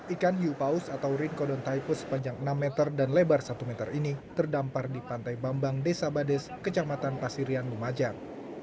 ikan hiu paus atau rinkodon typo sepanjang enam meter dan lebar satu meter ini terdampar di pantai bambang desa bades kecamatan pasirian lumajang